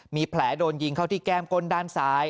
มีแผลโดนยิงเข้าที่แก้มก้นด้านซ้าย